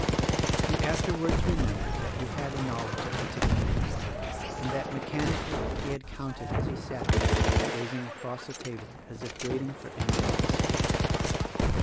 He afterwards remembered that he had a knowledge of the ticking of the clock, and, that, mechanically he had counted as he sat there gazing across the table as if waiting for Angus to speak.